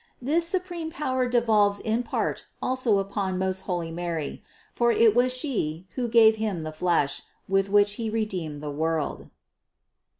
This supreme power devolves in part also upon most holy Mary; for it was She, who gave Him the flesh, with which He redeemed the world.